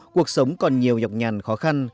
cuộc sống còn nhiều nhọc nhằn khó khăn